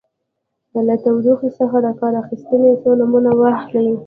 له تودوخې څخه د کار اخیستنې څو نومونه واخلئ.